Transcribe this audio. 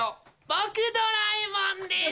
僕ドラえもんです。